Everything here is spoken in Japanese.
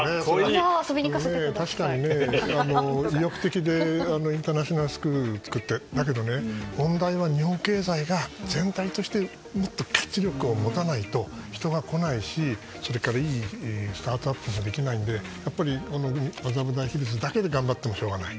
確かに、魅力的でインターナショナルスクールを作ってだけど日本経済がもっと活力を持たないと人が来ないし、それからスタートアップはできないのでやっぱり麻布台ヒルズだけで頑張ってもしょうがない。